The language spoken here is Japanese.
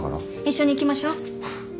一緒に行きましょう。